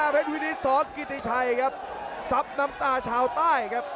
เป็นวินิตซอสกิติชัยครับซับน้ำตาชาวใต้ครับ